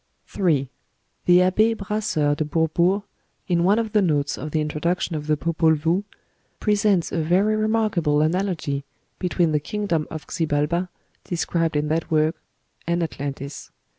3. The Abbé Brasseur de Bourbourg, in one of the notes of the Introduction of the "Popol Vuh," presents a very remarkable analogy between the kingdom of Xibalba, described in that work, and Atlantis.